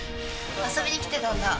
遊びに来てたんだ。